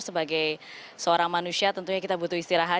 sebagai seorang manusia tentunya kita butuh istirahat